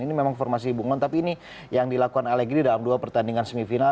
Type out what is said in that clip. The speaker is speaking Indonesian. ini memang formasi hubungan tapi ini yang dilakukan allegri dalam dua pertandingan semifinal